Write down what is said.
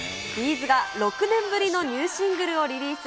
’ｚが６年ぶりのニューシングルをリリース。